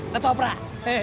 gak tau obrak